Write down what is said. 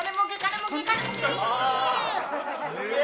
すげえ！